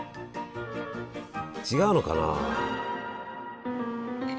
違うのかな。